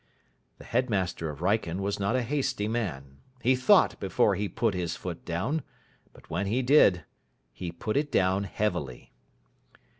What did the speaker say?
The headmaster of Wrykyn was not a hasty man. He thought before he put his foot down. But when he did, he put it down heavily.